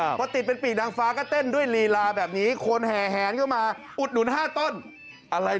อ่านยากเหลือเกินนะครับเขาเต้นแบบนี้เพื่อที่จะขายไม้ด่างนะครับ